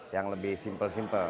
yang lebih simpel simpel